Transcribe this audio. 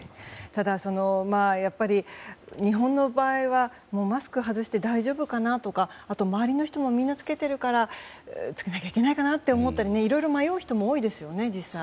ただ、やっぱり日本の場合はマスクを外して大丈夫かなとかあと周りの人もみんな着けてるから着けなきゃいけないかなとかいろいろ迷う人も多いですよね実際。